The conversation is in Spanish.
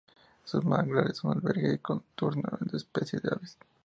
Sus manglares son albergue nocturno de especies de aves.